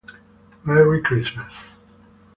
Merry Christmas